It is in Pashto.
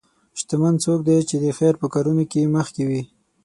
شتمن څوک دی چې د خیر په کارونو کې مخکې وي.